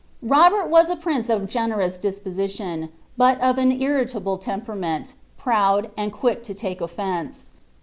Robert was A prince of a generous disposition, but of an irritable lempenuncnt, uriiiid, and i]uick to Ijike offence.